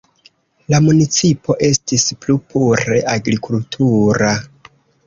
La municipo estis plu pure agrikultura.